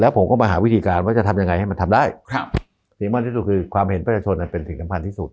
ผมก็มาหาวิธีการว่าจะทำยังไงให้มันทำได้สิ่งมากที่สุดคือความเห็นประชาชนเป็นสิ่งสำคัญที่สุด